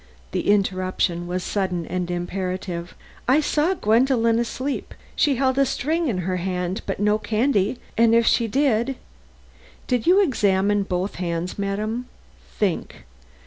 The interruption was sudden, imperative. "I saw Gwendolen asleep; she held a string in her hand but no candy, and if she did " "Did you examine both hands, madam? Think!